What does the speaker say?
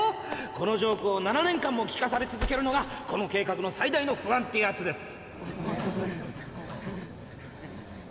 このジョークを７年間も聞かされ続けるのがこの計画の最大の不安ってやつです。